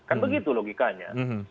kan begitu logikanya